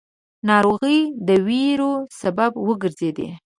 ناروغۍ د وېرو سبب وګرځېدې.